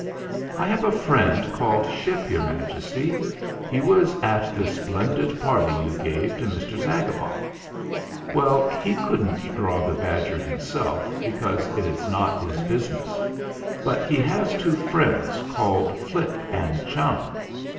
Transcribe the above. "I have a friend called Ship, Your Majesty. He was at the splendid party you gave to Mr. Zagabog Well, he couldn't draw the badger himself, because it is not his business; but he 302 THE FLINT HEART has two friends, called Flip and Chum.